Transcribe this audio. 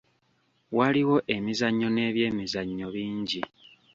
Waliwo emizannyo n'ebyemizannyo bingi.